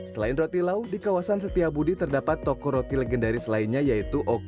selain roti lau di kawasan setiabudi terdapat toko roti legendaris lainnya yaitu oki